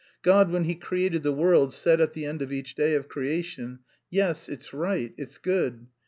God, when He created the world, said at the end of each day of creation, 'Yes, it's right, it's good.'